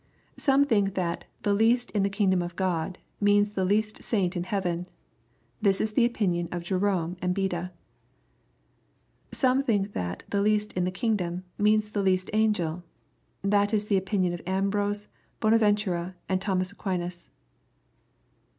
Some think that the " least in the kingdom of Qod," means the least saint in heaven. This is the opinion of Jerome and Beda. Some think that the "least in the kingdom" means the least angel This is the opinion of Ambrose, Bonaventura, and Thomas Aquinas.